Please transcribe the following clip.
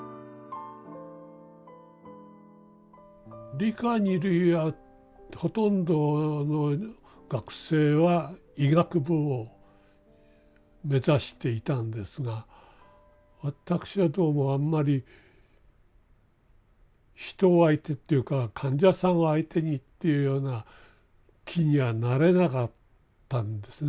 理科二類はほとんどの学生は医学部を目指していたんですが私はどうもあんまり人相手っていうか患者さんを相手にっていうような気にはなれなかったんですね。